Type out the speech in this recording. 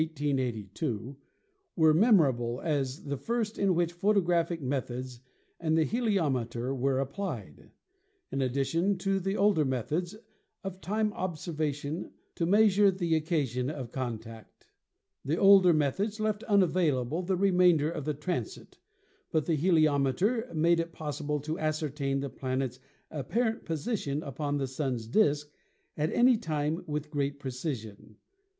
9. The transits of Venus in 1874 and 1882 were memorable as the first in which photographic methods and the heliom eter were applied, in addition to the older methods of time VENUS 141 observation to measure the occasion of contact. The older methods left unavailable the remainder of the transit, but the heliometer made it possible to ascertain the planet's apparent position upon the Sun's disk at any time with great precision.